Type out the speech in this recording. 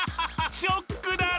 ショックだろ！？